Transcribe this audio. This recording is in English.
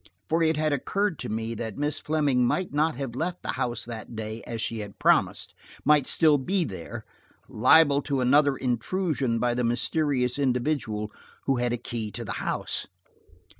For it had occurred to me that Miss Fleming might not have left the house that day as she had promised, might still be there, liable to another intrusion by the mysterious individual who had a key to the house.